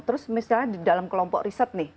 terus misalnya di dalam kelompok riset nih